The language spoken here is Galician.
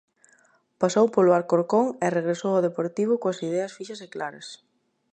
Pasou polo Alcorcón e regresou o Deportivo coas ideas fixas e claras.